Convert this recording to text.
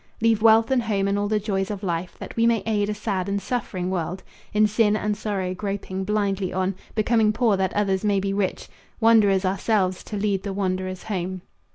Leave wealth and home and all the joys of life, That we may aid a sad and suffering world In sin and sorrow groping blindly on, Becoming poor that others may be rich, Wanderers ourselves to lead the wanderers home.